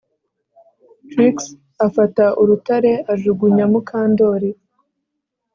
Trix afata urutare ajugunya Mukandoli